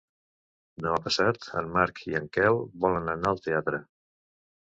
Demà passat en Marc i en Quel volen anar al teatre.